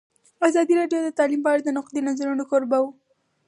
ازادي راډیو د تعلیم په اړه د نقدي نظرونو کوربه وه.